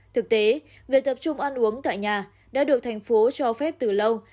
thực tế việc tập trung ăn uống tại nhà đã được thành phố cho phép từ lâu